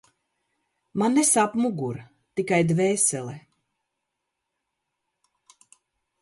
Man nesāp mugura, tikai dvēsele…